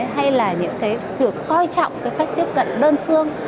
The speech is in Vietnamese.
hay là những cái việc coi trọng cái cách tiếp cận đơn phương